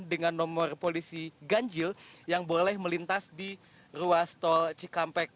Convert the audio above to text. dengan nomor polisi ganjil yang boleh melintas di ruas tol cikampek